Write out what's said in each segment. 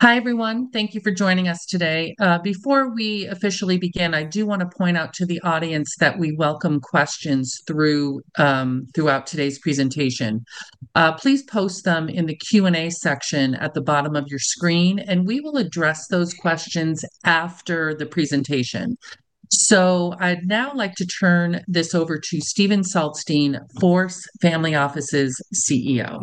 Hi, everyone. Thank you for joining us today. Before we officially begin, I do want to point out to the audience that we welcome questions throughout today's presentation. Please post them in the Q&A section at the bottom of your screen and we will address those questions after the presentation. I'd now like to turn this over to Steven Saltzstein, FORCE Family Office's CEO.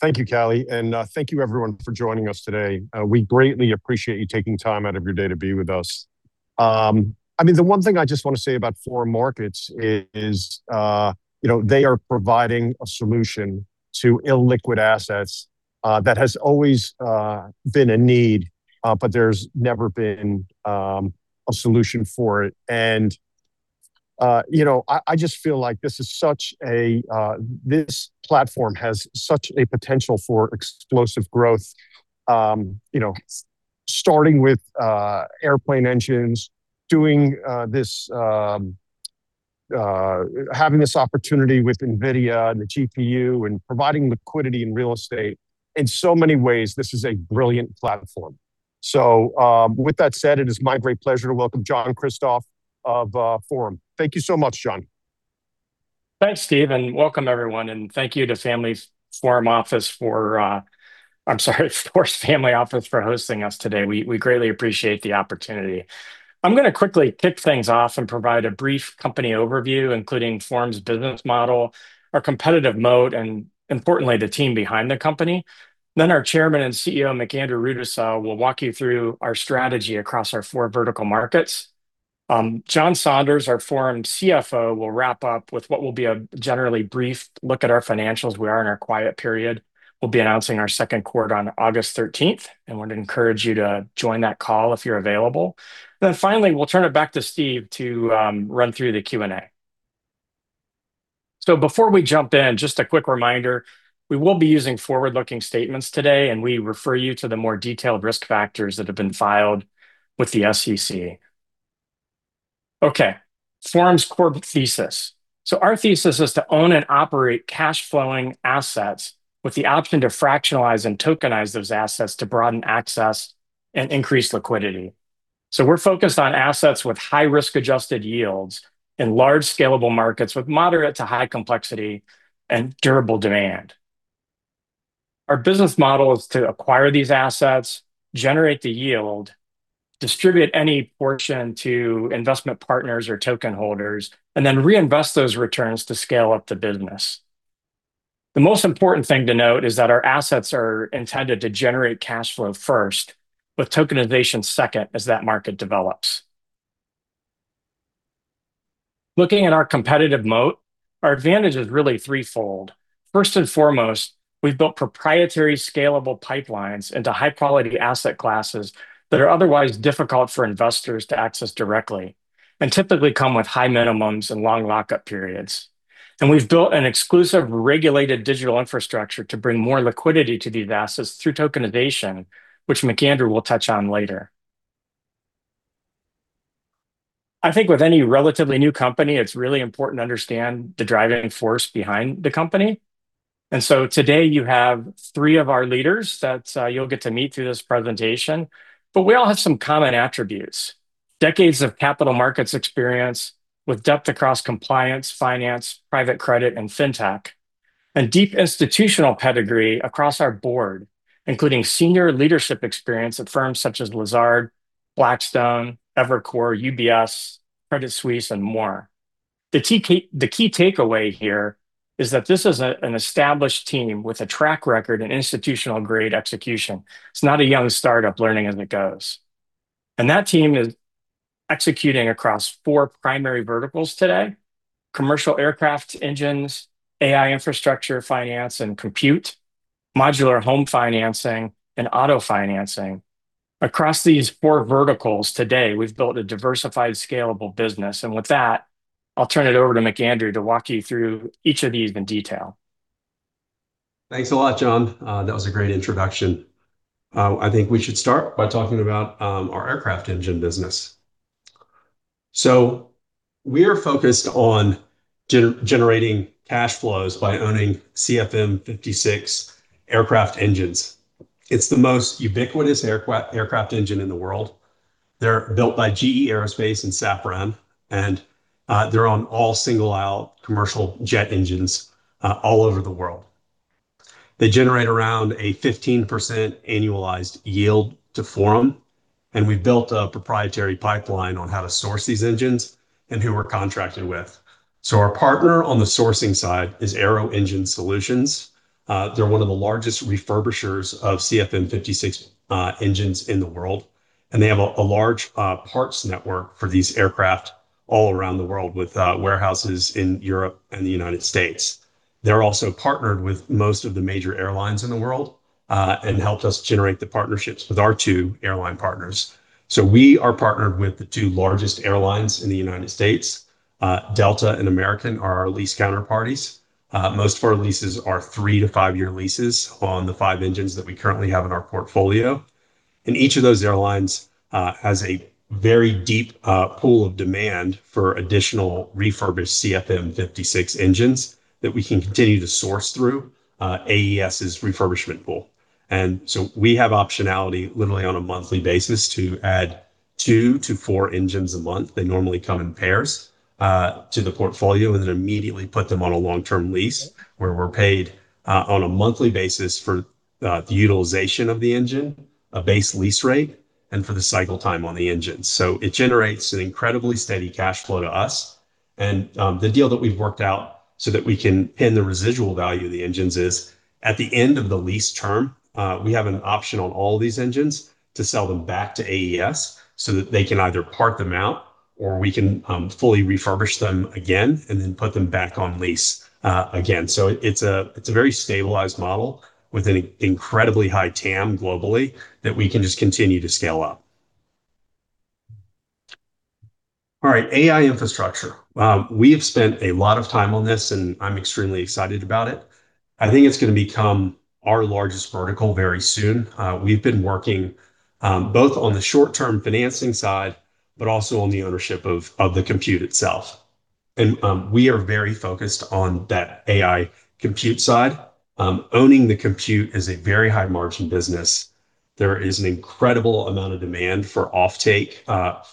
Thank you, Callie, and thank you everyone for joining us today. We greatly appreciate you taking time out of your day to be with us. The one thing I just want to say about Forum Markets is they are providing a solution to illiquid assets. That has always been a need, but there's never been a solution for it. I just feel like this platform has such a potential for explosive growth. Starting with airplane engines, having this opportunity with NVIDIA and the GPU, and providing liquidity in real estate. In so many ways, this is a brilliant platform. With that said, it is my great pleasure to welcome John Kristoff of Forum. Thank you so much, John. Thanks, Steve, and welcome everyone, and thank you to FORCE Family Office for hosting us today. We greatly appreciate the opportunity. I'm going to quickly kick things off and provide a brief company overview, including Forum's business model, our competitive mode, and importantly, the team behind the company. Our Chairman and CEO, McAndrew Rudisill, will walk you through our strategy across our four vertical markets. John Saunders, our Forum CFO, will wrap up with what will be a generally brief look at our financials. We are in our quiet period. We'll be announcing our second quarter on August 13th, and want to encourage you to join that call if you're available. Finally, we'll turn it back to Steve to run through the Q&A. Before we jump in, just a quick reminder, we will be using forward-looking statements today, and we refer you to the more detailed risk factors that have been filed with the SEC. Forum's core thesis. Our thesis is to own and operate cash flowing assets with the option to fractionalize and tokenize those assets to broaden access and increase liquidity. We're focused on assets with high-risk adjusted yields in large scalable markets with moderate to high complexity and durable demand. Our business model is to acquire these assets, generate the yield, distribute any portion to investment partners or token holders, and then reinvest those returns to scale up the business. The most important thing to note is that our assets are intended to generate cash flow first, with tokenization second, as that market develops. Looking at our competitive moat, our advantage is really threefold. First and foremost, we've built proprietary, scalable pipelines into high-quality asset classes that are otherwise difficult for investors to access directly, and typically come with high minimums and long lockup periods. We've built an exclusive, regulated digital infrastructure to bring more liquidity to these assets through tokenization, which McAndrew will touch on later. I think with any relatively new company, it's really important to understand the driving force behind the company. Today you have three of our leaders that you'll get to meet through this presentation. We all have some common attributes. Decades of capital markets experience with depth across compliance, finance, private credit, and fintech, and deep institutional pedigree across our board, including senior leadership experience at firms such as Lazard, Blackstone, Evercore, UBS, Credit Suisse, and more. The key takeaway here is that this is an established team with a track record and institutional-grade execution. It's not a young startup learning as it goes. That team is executing across four primary verticals today: commercial aircraft engines, AI infrastructure, finance, and compute, modular home financing, and auto financing. Across these four verticals today, we've built a diversified, scalable business, with that, I'll turn it over to McAndrew to walk you through each of these in detail. Thanks a lot, John. That was a great introduction. I think we should start by talking about our aircraft engine business. We are focused on generating cash flows by owning CFM56 aircraft engines. It's the most ubiquitous aircraft engine in the world. They're built by GE Aerospace and Safran, they're on all single-aisle commercial jet engines all over the world. They generate around a 15% annualized yield to Forum, we've built a proprietary pipeline on how to source these engines and who we're contracted with. Our partner on the sourcing side is Aero Engine Solutions. They're one of the largest refurbishers of CFM56 engines in the world, they have a large parts network for these aircraft all around the world with warehouses in Europe and the United States. They're also partnered with most of the major airlines in the world, helped us generate the partnerships with our two airline partners. We are partnered with the two largest airlines in the United States. Delta and American are our lease counterparties. Most of our leases are three to five-year leases on the five engines that we currently have in our portfolio. Each of those airlines has a very deep pool of demand for additional refurbished CFM56 engines that we can continue to source through AES's refurbishment pool. We have optionality literally on a monthly basis to add two to four engines a month, they normally come in pairs, to the portfolio and then immediately put them on a long-term lease, where we're paid on a monthly basis for the utilization of the engine, a base lease rate, and for the cycle time on the engine. It generates an incredibly steady cash flow to us. The deal that we've worked out so that we can pin the residual value of the engines is at the end of the lease term, we have an option on all these engines to sell them back to AES so that they can either part them out or we can fully refurbish them again and then put them back on lease again. It's a very stabilized model with an incredibly high TAM globally that we can just continue to scale up. All right. AI infrastructure. We have spent a lot of time on this. I'm extremely excited about it. I think it's going to become our largest vertical very soon. We've been working both on the short-term financing side, also on the ownership of the compute itself. We are very focused on that AI compute side. Owning the compute is a very high-margin business. There is an incredible amount of demand for offtake,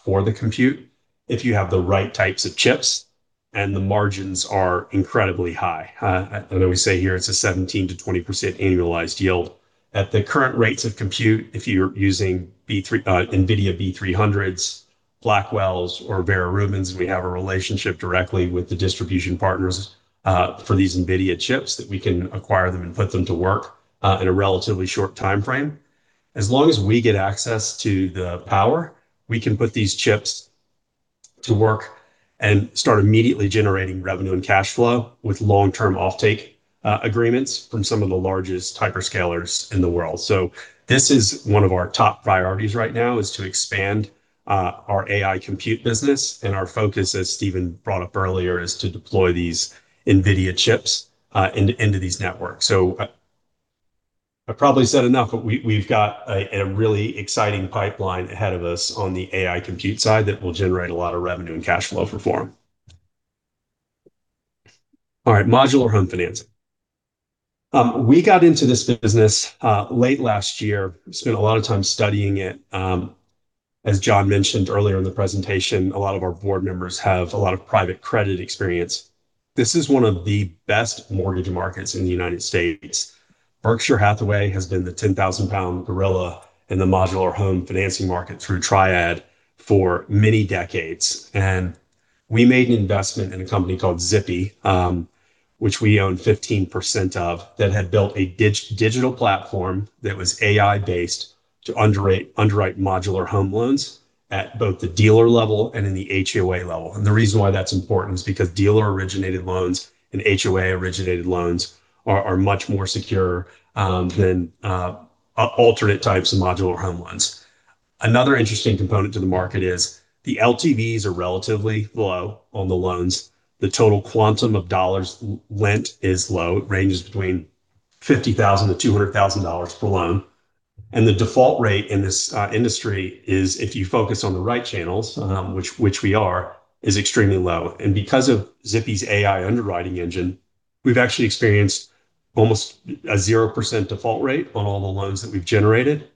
for the compute if you have the right types of chips. The margins are incredibly high. I always say here it's a 17%-20% annualized yield. At the current rates of compute, if you're using NVIDIA B300s, Blackwells, or Vera Rubins, we have a relationship directly with the distribution partners for these NVIDIA chips that we can acquire them and put them to work in a relatively short timeframe. As long as we get access to the power, we can put these chips to work and start immediately generating revenue and cash flow with long-term offtake agreements from some of the largest hyperscalers in the world. This is one of our top priorities right now is to expand our AI compute business. Our focus, as Steven brought up earlier, is to deploy these NVIDIA chips into these networks. I've probably said enough. We've got a really exciting pipeline ahead of us on the AI compute side that will generate a lot of revenue and cash flow for Forum. All right. Modular home financing. We got into this business late last year, spent a lot of time studying it. As John mentioned earlier in the presentation, a lot of our board members have a lot of private credit experience. This is one of the best mortgage markets in the United States. Berkshire Hathaway has been the 10,000-lbs gorilla in the modular home financing market through Triad for many decades. We made an investment in a company called Zippy, which we own 15% of, that had built a digital platform that was AI-based to underwrite modular home loans at both the dealer level and in the HOA level. The reason why that's important is because dealer-originated loans and HOA-originated loans are much more secure than alternate types of modular home loans. Another interesting component to the market is the LTVs are relatively low on the loans. The total quantum of dollars lent is low. It ranges between $50,000-$200,000 per loan. The default rate in this industry is, if you focus on the right channels, which we are, is extremely low. Because of Zippy's AI underwriting engine, we've actually experienced almost a 0% default rate on all the loans that we've generated.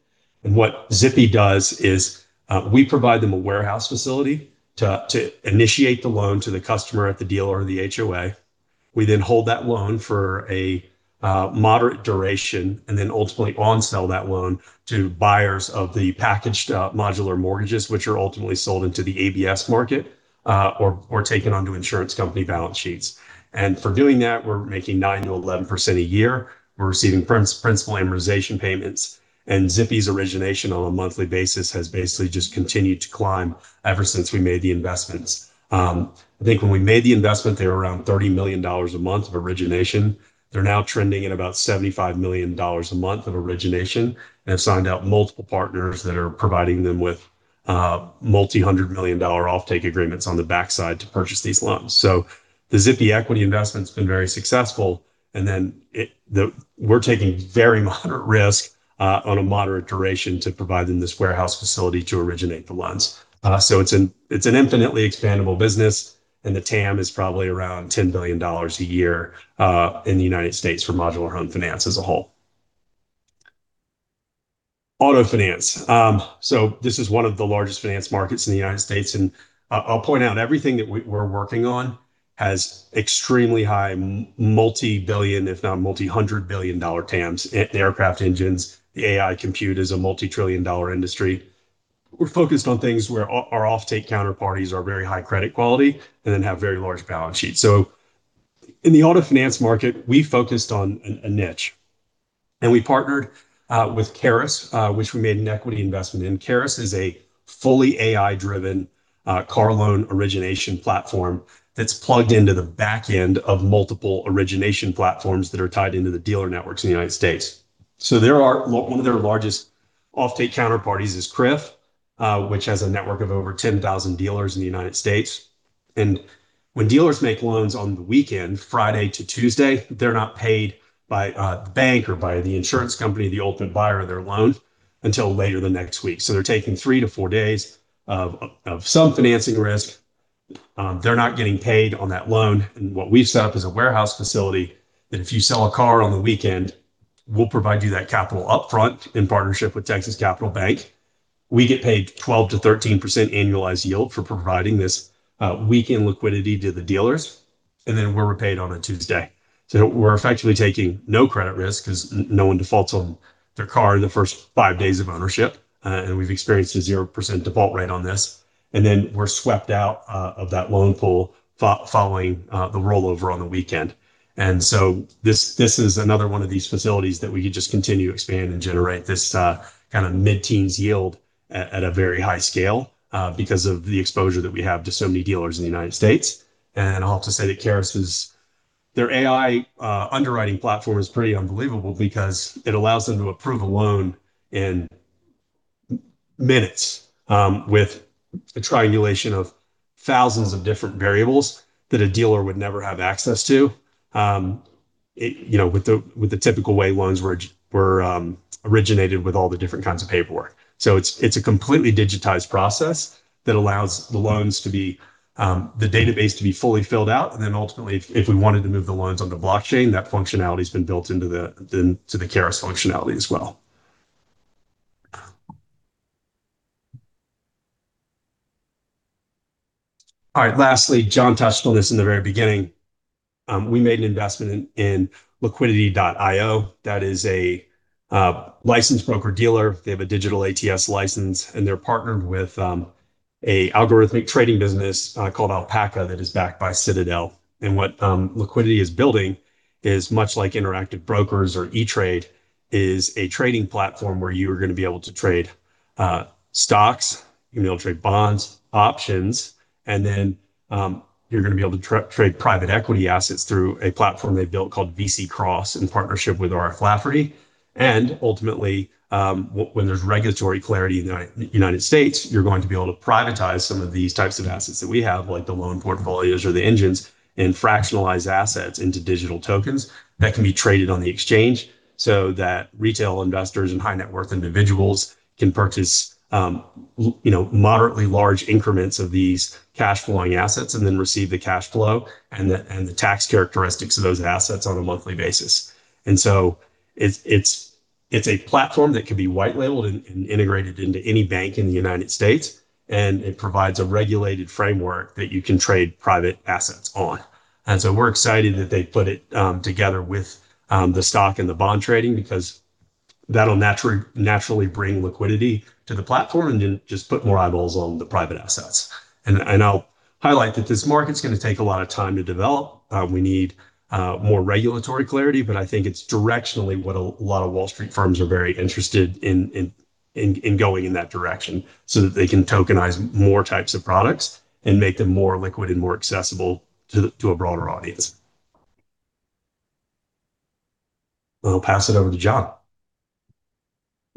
What Zippy does is, we provide them a warehouse facility to initiate the loan to the customer at the dealer or the HOA. We then hold that loan for a moderate duration and then ultimately onsell that loan to buyers of the packaged modular mortgages, which are ultimately sold into the ABS market, or taken onto insurance company balance sheets. For doing that, we're making 9%-11% a year. We're receiving principal amortization payments, and Zippy's origination on a monthly basis has basically just continued to climb ever since we made the investments. I think when we made the investment, they were around $30 million a month of origination. They're now trending at about $75 million a month of origination, and have signed out multiple partners that are providing them with multi-hundred million-dollar offtake agreements on the backside to purchase these loans. The Zippy equity investment's been very successful, and then we're taking very moderate risk on a moderate duration to provide them this warehouse facility to originate the loans. It's an infinitely expandable business, and the TAM is probably around $10 billion a year in the United States for modular home finance as a whole. Auto finance. This is one of the largest finance markets in the United States, and I'll point out everything that we're working on has extremely high multi-billion, if not multi-hundred billion-dollar TAMs. The aircraft engines, the AI compute is a multi-trillion-dollar industry. We're focused on things where our offtake counterparties are very high credit quality and then have very large balance sheets. In the auto finance market, we focused on a niche and we partnered with Caris, which we made an equity investment in. Caris is a fully AI-driven car loan origination platform that's plugged into the back end of multiple origination platforms that are tied into the dealer networks in the United States. One of their largest offtake counterparties is CRIF, which has a network of over 10,000 dealers in the United States. When dealers make loans on the weekend, Friday to Tuesday, they're not paid by the bank or by the insurance company, the ultimate buyer of their loan, until later the next week. They're taking three to four days of some financing risk. They're not getting paid on that loan. What we've set up is a warehouse facility that if you sell a car on the weekend, we'll provide you that capital upfront in partnership with Texas Capital Bank. We get paid 12%-13% annualized yield for providing this weekend liquidity to the dealers, and then we're repaid on a Tuesday. We're effectively taking no credit risk because no one defaults on their car in the first five days of ownership, and we've experienced a 0% default rate on this. We're swept out of that loan pool following the rollover on the weekend. This is another one of these facilities that we could just continue to expand and generate this kind of mid-teens yield at a very high scale because of the exposure that we have to so many dealers in the United States. I'll have to say that Caris' AI underwriting platform is pretty unbelievable because it allows them to approve a loan in minutes with a triangulation of thousands of different variables that a dealer would never have access to with the typical way loans were originated with all the different kinds of paperwork. It's a completely digitized process that allows the database to be fully filled out, and then ultimately, if we wanted to move the loans onto blockchain, that functionality's been built into the Caris functionality as well. All right. Lastly, John touched on this in the very beginning. We made an investment in Liquidity.io. That is a licensed broker-dealer. They have a digital ATS license, and they're partnered with an algorithmic trading business called Alpaca that is backed by Citadel. What Liquidity is building is much like Interactive Brokers or E-Trade, a trading platform where you are going to be able to trade stocks, you'll be able to trade bonds, options, and then you're going to be able to trade private equity assets through a platform they've built called VC Cross in partnership with R.F. Lafferty. Ultimately, when there's regulatory clarity in the United States, you're going to be able to privatize some of these types of assets that we have, like the loan portfolios or the engines, and fractionalize assets into digital tokens that can be traded on the exchange so that retail investors and high-net-worth individuals can purchase moderately large increments of these cash-flowing assets and then receive the cash flow and the tax characteristics of those assets on a monthly basis. It's a platform that can be white labeled and integrated into any bank in the United States, and it provides a regulated framework that you can trade private assets on. We're excited that they've put it together with the stock and the bond trading because that'll naturally bring liquidity to the platform and then just put more eyeballs on the private assets. I'll highlight that this market's going to take a lot of time to develop. We need more regulatory clarity, I think it's directionally what a lot of Wall Street firms are very interested in going in that direction so that they can tokenize more types of products and make them more liquid and more accessible to a broader audience. I'll pass it over to John.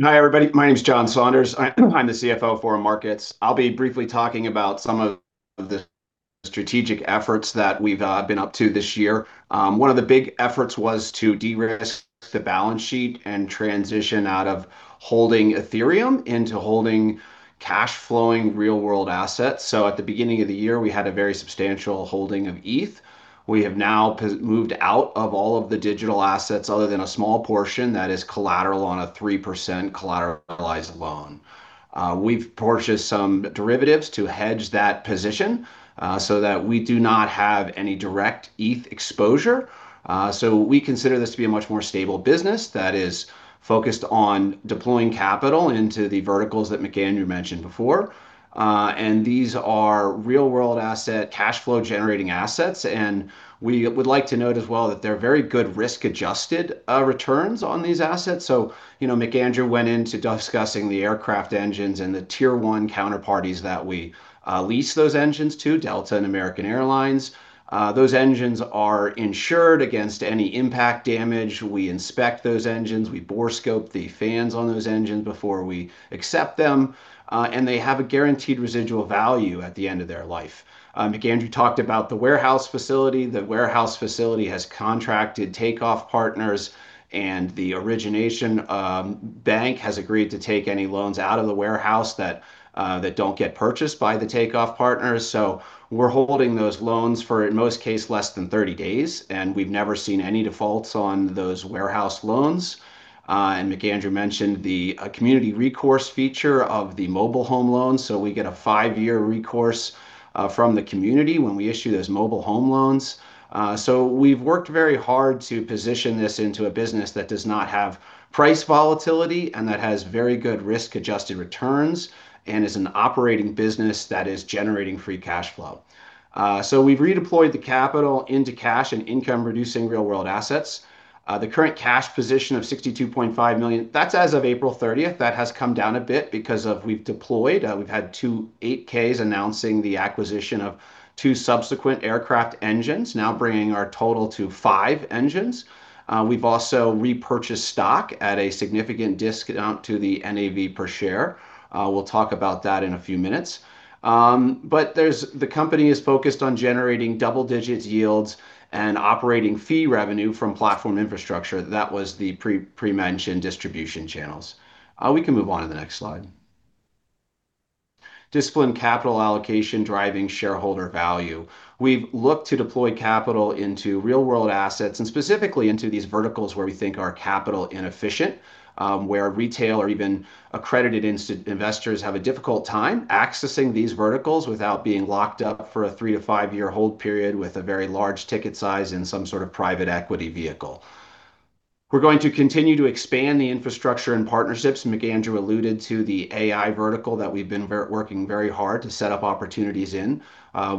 Hi, everybody. My name's John Saunders. I'm the CFO of Forum Markets. I'll be briefly talking about some of the strategic efforts that we've been up to this year. One of the big efforts was to de-risk the balance sheet and transition out of holding Ethereum into holding cash-flowing real-world assets. At the beginning of the year, we had a very substantial holding of Eth. We have now moved out of all of the digital assets other than a small portion that is collateral on a 3% collateralized loan. We've purchased some derivatives to hedge that position that we do not have any direct Eth exposure. We consider this to be a much more stable business that is focused on deploying capital into the verticals that McAndrew mentioned before. These are real-world asset, cash-flow generating assets. We would like to note as well that there are very good risk-adjusted returns on these assets. McAndrew went into discussing the aircraft engines and the Tier 1 counterparties that we lease those engines to, Delta and American Airlines. Those engines are insured against any impact damage. We inspect those engines. We bore scope the fans on those engines before we accept them. They have a guaranteed residual value at the end of their life. McAndrew talked about the warehouse facility. The warehouse facility has contracted takeoff partners, and the origination bank has agreed to take any loans out of the warehouse that don't get purchased by the takeoff partners. We're holding those loans for, in most case, less than 30 days. We've never seen any defaults on those warehouse loans. McAndrew mentioned the community recourse feature of the mobile home loans. We get a five-year recourse from the community when we issue those mobile home loans. We've worked very hard to position this into a business that does not have price volatility and that has very good risk-adjusted returns and is an operating business that is generating free cash flow. We've redeployed the capital into cash and income-reducing real-world assets. The current cash position of $62.5 million, that's as of April 30th. That has come down a bit because we've deployed. We've had two 8-Ks announcing the acquisition of two subsequent aircraft engines, now bringing our total to five engines. We've also repurchased stock at a significant discount to the NAV per share. We'll talk about that in a few minutes. The company is focused on generating double-digit yields and operating fee revenue from platform infrastructure. That was the pre-mentioned distribution channels. We can move on to the next slide. Disciplined capital allocation driving shareholder value. We've looked to deploy capital into real-world assets and specifically into these verticals where we think are capital inefficient, where retail or even accredited investors have a difficult time accessing these verticals without being locked up for a three- to five-year hold period with a very large ticket size in some sort of private equity vehicle. We're going to continue to expand the infrastructure and partnerships. McAndrew alluded to the AI vertical that we've been working very hard to set up opportunities in.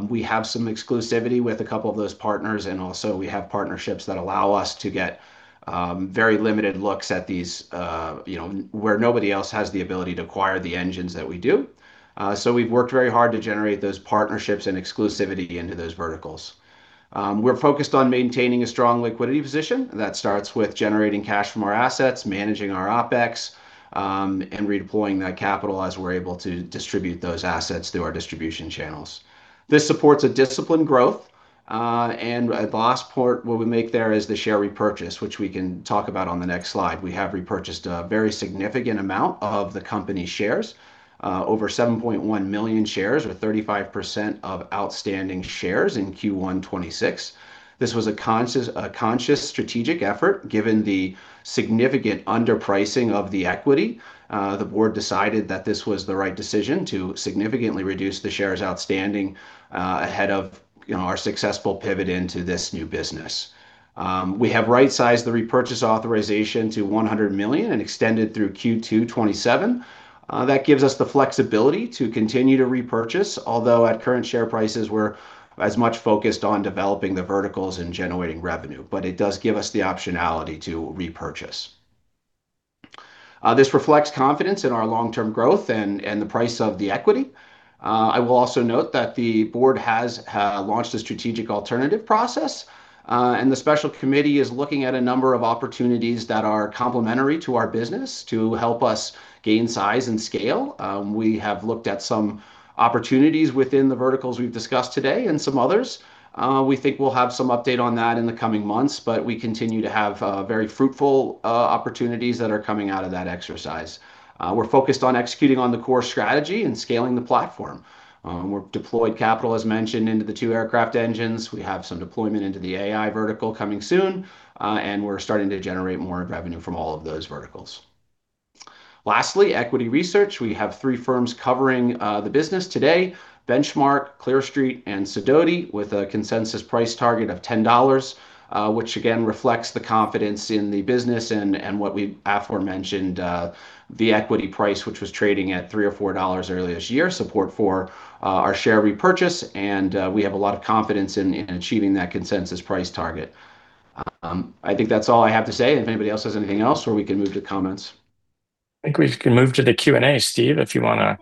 We have some exclusivity with a couple of those partners. Also, we have partnerships that allow us to get very limited looks at these, where nobody else has the ability to acquire the engines that we do. We've worked very hard to generate those partnerships and exclusivity into those verticals. We're focused on maintaining a strong liquidity position. That starts with generating cash from our assets, managing our OpEx, and redeploying that capital as we're able to distribute those assets through our distribution channels. This supports a disciplined growth. The last part, what we make there is the share repurchase, which we can talk about on the next slide. We have repurchased a very significant amount of the company shares, over 7.1 million shares or 35% of outstanding shares in Q1 2026. This was a conscious strategic effort given the significant underpricing of the equity. The board decided that this was the right decision to significantly reduce the shares outstanding ahead of our successful pivot into this new business. We have right-sized the repurchase authorization to $100 million and extended through Q2 2027. That gives us the flexibility to continue to repurchase. Although at current share prices, we're as much focused on developing the verticals and generating revenue, but it does give us the optionality to repurchase. This reflects confidence in our long-term growth and the price of the equity. I will also note that the board has launched a strategic alternative process. The special committee is looking at a number of opportunities that are complementary to our business to help us gain size and scale. We have looked at some opportunities within the verticals we've discussed today and some others. We think we'll have some update on that in the coming months, but we continue to have very fruitful opportunities that are coming out of that exercise. We're focused on executing on the core strategy and scaling the platform. We've deployed capital, as mentioned, into the two aircraft engines. We have some deployment into the AI vertical coming soon. We're starting to generate more revenue from all of those verticals. Lastly, equity research. We have three firms covering the business today, Benchmark, Clear Street, and Sidoti, with a consensus price target of $10, which again reflects the confidence in the business and what we aforementioned, the equity price, which was trading at $3 or $4 earlier this year, support for our share repurchase, and we have a lot of confidence in achieving that consensus price target. I think that's all I have to say. If anybody else has anything else, or we can move to comments. I think we can move to the Q&A, Steve, if you want to.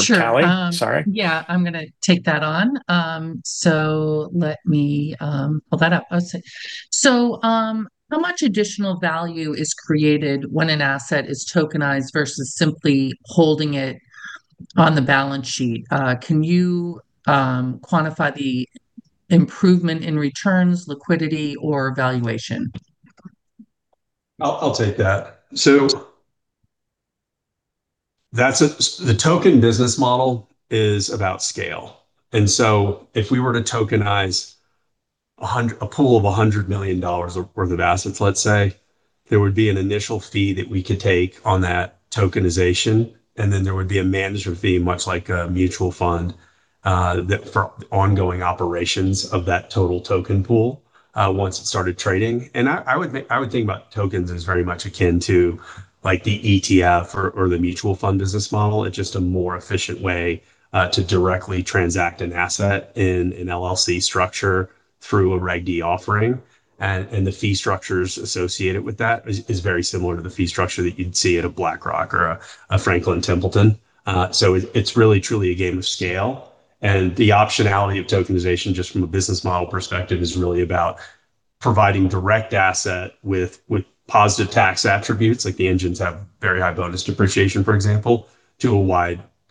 Sure. Callie, sorry. I'm going to take that on. Let me pull that up. I would say. How much additional value is created when an asset is tokenized versus simply holding it on the balance sheet? Can you quantify the improvement in returns, liquidity, or valuation? I'll take that. The token business model is about scale, and so if we were to tokenize a pool of $100 million worth of assets, let's say, there would be an initial fee that we could take on that tokenization, and then there would be a management fee, much like a mutual fund, for ongoing operations of that total token pool once it started trading. I would think about tokens as very much akin to the ETF or the mutual fund business model. It's just a more efficient way to directly transact an asset in an LLC structure through a Regulation D offering. The fee structures associated with that is very similar to the fee structure that you'd see at a BlackRock or a Franklin Templeton. It's really truly a game of scale, and the optionality of tokenization, just from a business model perspective, is really about providing direct asset with positive tax attributes, like the engines have very high bonus depreciation, for example, to a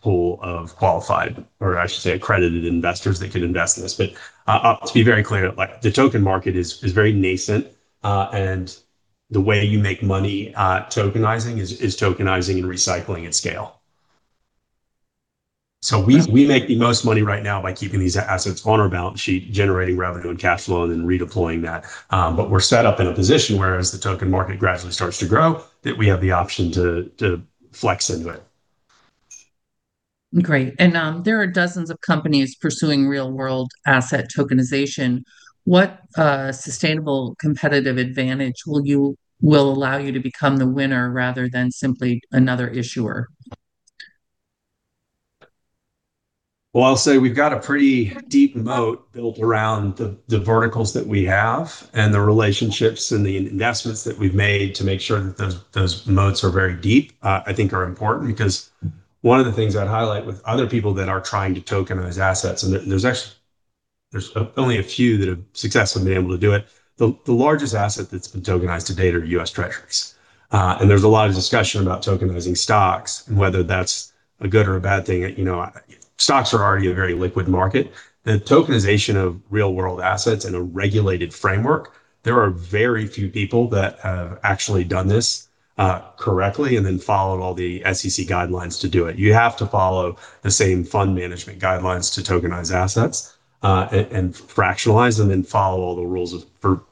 wide pool of qualified, or I should say accredited investors that can invest in this. To be very clear, the token market is very nascent, and the way you make money tokenizing is tokenizing and recycling at scale. We make the most money right now by keeping these assets on our balance sheet, generating revenue and cash flow, and then redeploying that. We're set up in a position where as the token market gradually starts to grow, that we have the option to flex into it. Great. There are dozens of companies pursuing real-world asset tokenization. What sustainable competitive advantage will allow you to become the winner rather than simply another issuer? Well, I'll say we've got a pretty deep moat built around the verticals that we have and the relationships and the investments that we've made to make sure that those moats are very deep. I think are important because one of the things I'd highlight with other people that are trying to tokenize assets, there's only a few that have successfully been able to do it. The largest asset that's been tokenized to date are U.S. Treasuries. There's a lot of discussion about tokenizing stocks and whether that's a good or a bad thing. Stocks are already a very liquid market. The tokenization of real-world assets in a regulated framework, there are very few people that have actually done this correctly and then followed all the SEC guidelines to do it. You have to follow the same fund management guidelines to tokenize assets, and fractionalize them and follow all the rules for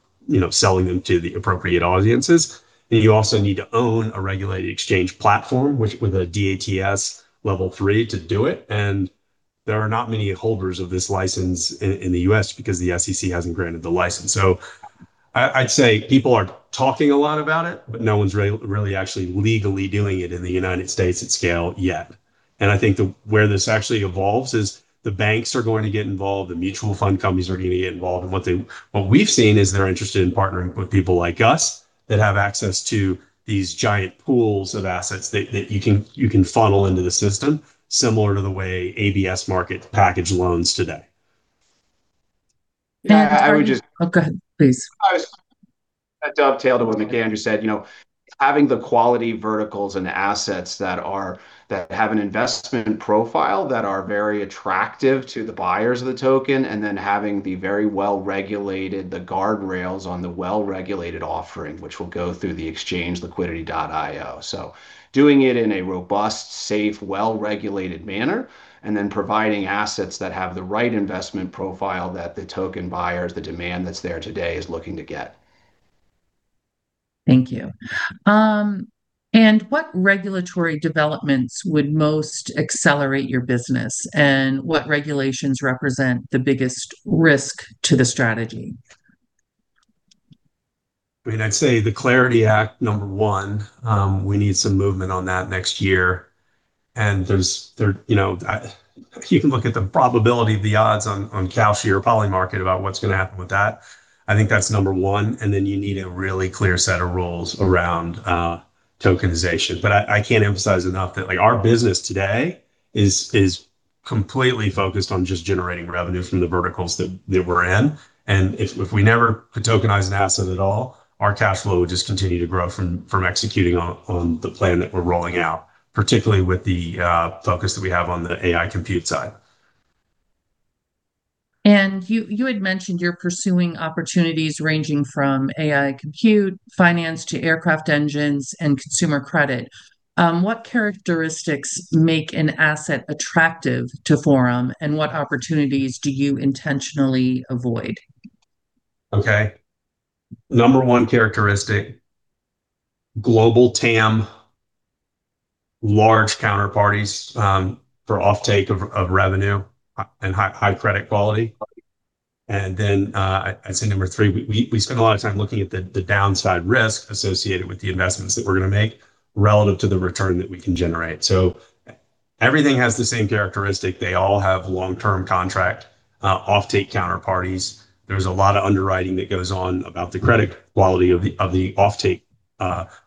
selling them to the appropriate audiences. You also need to own a regulated exchange platform with an ATS level 3 to do it, and there are not many holders of this license in the U.S. because the SEC hasn't granted the license. I'd say people are talking a lot about it, but no one's really actually legally doing it in the United States at scale yet. I think where this actually evolves is the banks are going to get involved, the mutual fund companies are going to get involved. What we've seen is they're interested in partnering with people like us that have access to these giant pools of assets that you can funnel into the system, similar to the way ABS market package loans today. Yeah. I would Oh, go ahead, please. That dovetailed with what McAndrew said. Having the quality verticals and assets that have an investment profile that are very attractive to the buyers of the token, and then having the very well-regulated, the guardrails on the well-regulated offering, which will go through the exchange Liquidity.io. Doing it in a robust, safe, well-regulated manner, and then providing assets that have the right investment profile that the token buyers, the demand that's there today, is looking to get. Thank you. What regulatory developments would most accelerate your business? What regulations represent the biggest risk to the strategy? I'd say the CLARITY Act, number one. We need some movement on that next year. You can look at the probability of the odds on Kalshi or Polymarket about what's going to happen with that. I think that's number one. You need a really clear set of rules around tokenization. I can't emphasize enough that our business today is completely focused on just generating revenue from the verticals that we're in. If we never tokenize an asset at all, our cashflow would just continue to grow from executing on the plan that we're rolling out, particularly with the focus that we have on the AI compute side. You had mentioned you're pursuing opportunities ranging from AI compute, finance, to aircraft engines and consumer credit. What characteristics make an asset attractive to Forum, and what opportunities do you intentionally avoid? Okay. Number one characteristic, global TAM, large counterparties for offtake of revenue, and high credit quality. I'd say number three, we spend a lot of time looking at the downside risk associated with the investments that we're going to make relative to the return that we can generate. Everything has the same characteristic. They all have long-term contract, offtake counterparties. There's a lot of underwriting that goes on about the credit quality of the offtake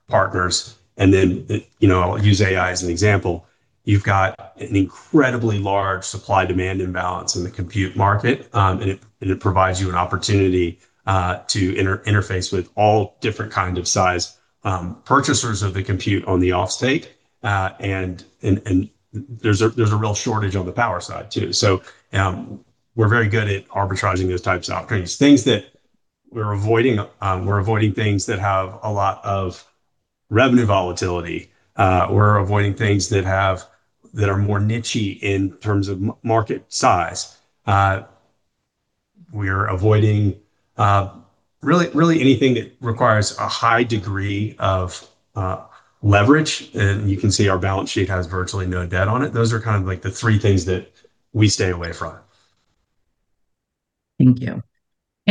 partners. I'll use AI as an example. You've got an incredibly large supply-demand imbalance in the compute market, and it provides you an opportunity to interface with all different kind of size purchasers of the compute on the offtake. There's a real shortage on the power side, too. We're very good at arbitraging those types of opportunities. Things that we're avoiding, we're avoiding things that have a lot of revenue volatility. We're avoiding things that are more niche-y in terms of market size. We're avoiding really anything that requires a high degree of leverage, and you can see our balance sheet has virtually no debt on it. Those are kind of the three things that we stay away from. Thank you.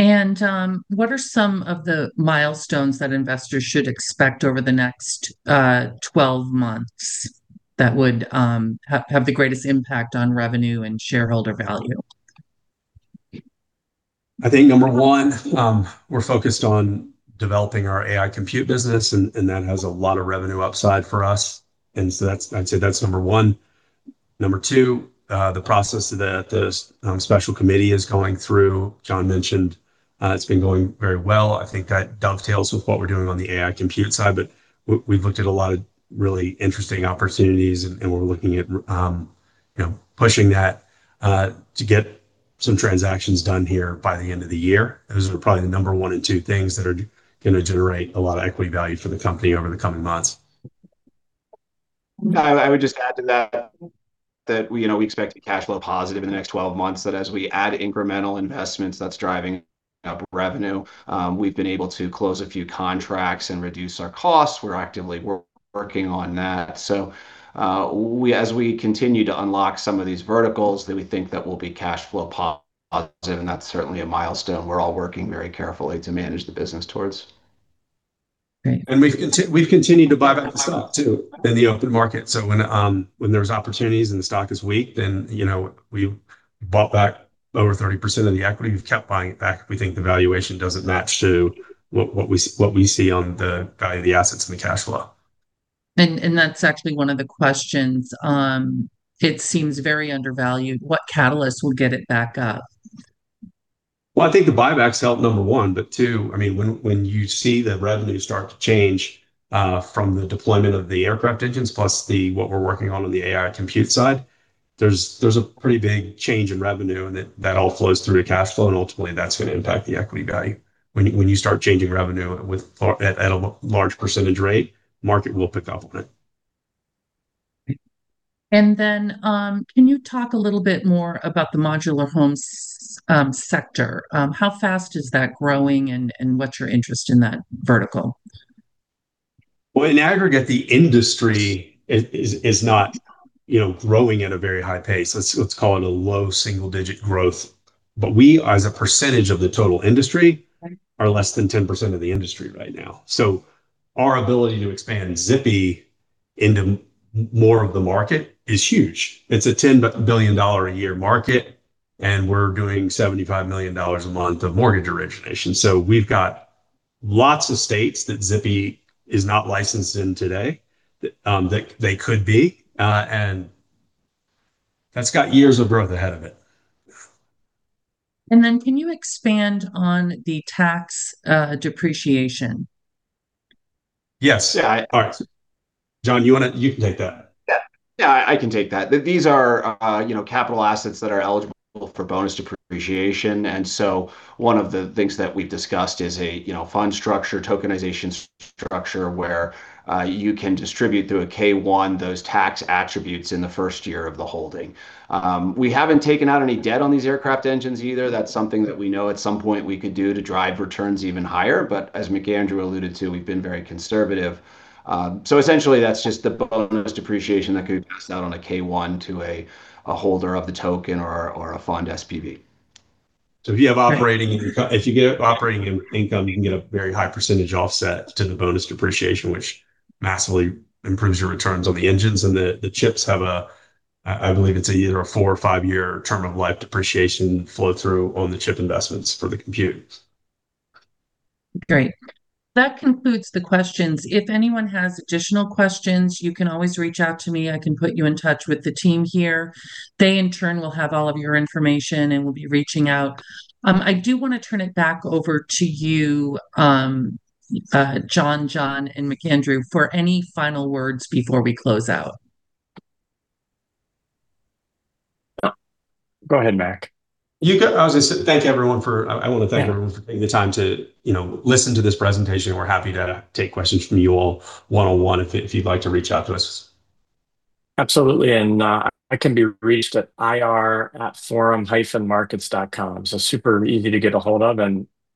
What are some of the milestones that investors should expect over the next 12 months that would have the greatest impact on revenue and shareholder value? I think number one, we're focused on developing our AI compute business, that has a lot of revenue upside for us. I'd say that's number one. Number two, the process that the special committee is going through, John mentioned, it's been going very well. I think that dovetails with what we're doing on the AI compute side, we've looked at a lot of really interesting opportunities, we're looking at pushing that to get some transactions done here by the end of the year. Those are probably the number one and two things that are going to generate a lot of equity value for the company over the coming months. I would just add to that, we expect to be cashflow positive in the next 12 months, that as we add incremental investments, that's driving up revenue. We've been able to close a few contracts, reduce our costs. We're actively working on that. As we continue to unlock some of these verticals that we think that will be cashflow positive, that's certainly a milestone we're all working very carefully to manage the business towards. We've continued to buy back the stock, too, in the open market. When there's opportunities and the stock is weak, then we've bought back over 30% of the equity. We've kept buying it back if we think the valuation doesn't match to what we see on the value of the assets and the cashflow. That's actually one of the questions. It seems very undervalued. What catalyst will get it back up? Well, I think the buybacks help, number one. Two, when you see the revenue start to change from the deployment of the aircraft engines plus what we're working on the AI compute side. There's a pretty big change in revenue, and that all flows through to cash flow, and ultimately that's going to impact the equity value. When you start changing revenue at a large percentage rate, market will pick up on it. Then, can you talk a little bit more about the modular homes sector? How fast is that growing, and what's your interest in that vertical? Well, in aggregate, the industry is not growing at a very high pace. Let's call it a low single-digit growth. We, as a percentage of the total industry, are less than 10% of the industry right now. Our ability to expand Zippy into more of the market is huge. It's a $10 billion a year market, and we're doing $75 million a month of mortgage origination. We've got lots of states that Zippy is not licensed in today that they could be. That's got years of growth ahead of it. Can you expand on the tax depreciation? Yes. All right. John, you can take that. I can take that. These are capital assets that are eligible for bonus depreciation. One of the things that we've discussed is a fund structure, tokenization structure, where you can distribute through a K-1 those tax attributes in the first year of the holding. We haven't taken out any debt on these aircraft engines either. That's something that we know at some point we could do to drive returns even higher. As McAndrew alluded to, we've been very conservative. Essentially, that's just the bonus depreciation that could pass out on a K-1 to a holder of the token or a fund SPV. If you have operating income, you can get a very high percentage offset to the bonus depreciation, which massively improves your returns on the engines. The chips have a, I believe it's either a four or five-year term of life depreciation flow-through on the chip investments for the compute. Great. That concludes the questions. If anyone has additional questions, you can always reach out to me. I can put you in touch with the team here. They in turn will have all of your information and will be reaching out. I do want to turn it back over to you, John, John, and McAndrew, for any final words before we close out. Go ahead, Mac. I want to thank everyone for taking the time to listen to this presentation. We're happy to take questions from you all one-on-one if you'd like to reach out to us. Absolutely. I can be reached at ir@forum-markets.com. Super easy to get a hold of.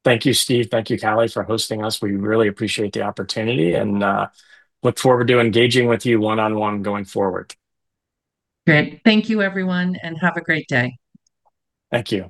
Thank you, Steve, thank you, Callie, for hosting us. We really appreciate the opportunity, and look forward to engaging with you one-on-one going forward. Great. Thank you, everyone, and have a great day. Thank you.